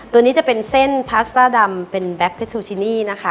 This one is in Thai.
ตัวนี้จะเป็นเส้นพาสต้าดำเป็นแก๊กพิซซูชินีนะคะ